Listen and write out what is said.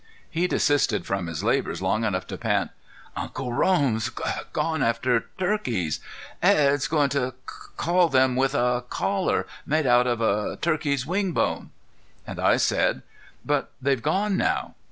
He desisted from his labors long enough to pant: "Uncle Rome's gone after turkeys. Edd's going to call them with a caller made out of a turkey's wing bone." And I said: "But they've gone now."